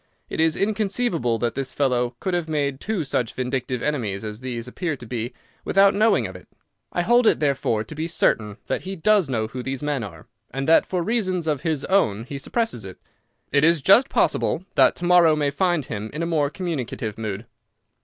It is inconceivable that this fellow could have made two such vindictive enemies as these appear to be without knowing of it. I hold it, therefore, to be certain that he does know who these men are, and that for reasons of his own he suppresses it. It is just possible that to morrow may find him in a more communicative mood."